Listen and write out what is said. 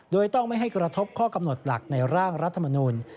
โดยต้องไม่ให้กระทบข้อกำหนดหลักในร่างรัฐมนุน